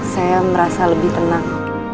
saya merasa lebih tenang